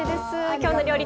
「きょうの料理」